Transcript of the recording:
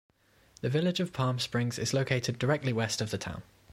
The Village of Palm Springs is located directly west of the town.